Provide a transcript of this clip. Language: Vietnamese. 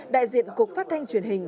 đại diện cục phát thanh truyền hình